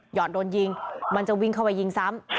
อดโดนยิงมันจะวิ่งเข้าไปยิงซ้ำ